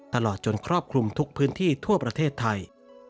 ตลอดจนครอบคลุมทุกพื้นที่ทั่วประเทศไทย